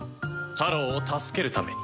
タロウを助けるために。